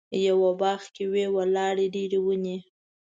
یوه باغ کې وې ولاړې ډېرې ونې.